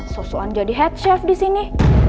sosokan jadi head chef disini